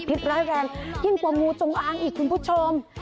ร้ายแรงยิ่งกว่างูจงอางอีกคุณผู้ชม